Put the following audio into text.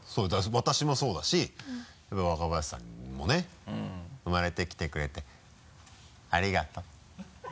私もそうだしやっぱ若林さんにもね。生まれてきてくれてありがとう。